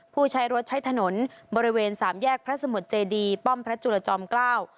ผู้ใช้รถใช้ถนนบริเวณสามแยกพระสมุทรเจดีป้อมพระจุลจอมเกล้า